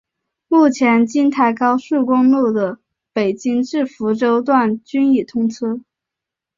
目前京台高速公路的北京至福州段均已通车。